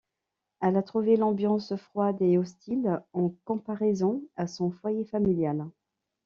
Elle a trouvé l'ambiance froide et hostile en comparaison à son foyer familial.